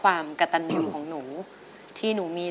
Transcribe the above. มาพบกับแก้วตานะครับนักสู้ชีวิตสู้งาน